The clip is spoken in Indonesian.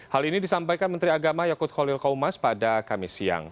hal ini disampaikan menteri agama yakut khalil kaumas pada kamis siang